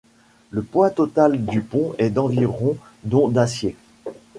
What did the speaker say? Le poids total du pont est d'environ dont d'acier.